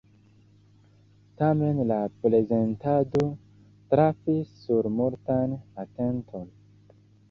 Tamen la prezentado trafis sur multan atenton.